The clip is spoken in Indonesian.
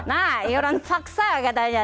nah iuran paksa katanya